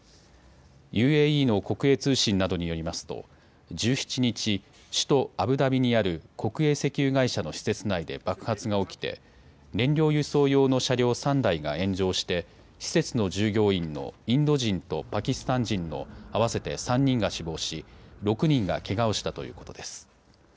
ＵＡＥの国営通信などによりますと１７日、首都アブダビにある国営石油会社の施設内で爆発が起きて燃料輸送用の車両３台が炎上して施設の従業員のインド人とパキスタン人の合わせて３人が死亡し６人がけがをしたということです。